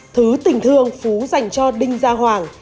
thứ tình thương phú dành cho đinh gia hoàng